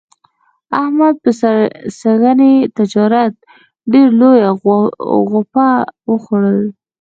احمد په سږني تجارت کې ډېره لویه غوپه و خوړله.